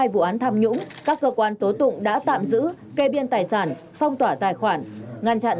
hai vụ án tham nhũng các cơ quan tố tụng đã tạm giữ kê biên tài sản phong tỏa tài khoản ngăn chặn